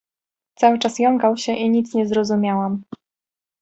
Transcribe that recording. Cały czas jąkał się i nic nie zrozumiałam.